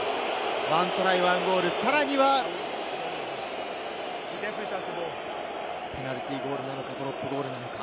１トライ１ゴール、さらにはペナルティーゴールなのか、ドロップゴールなのか。